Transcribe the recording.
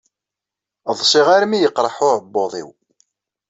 Ḍsiɣ armi y-iqerreḥ uɛebbuḍ-iw.